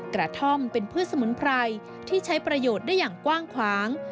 กระท่อมเป็นพืชสมุนไพรที่ใช้ประโยชน์ได้อย่างกว้างขวาง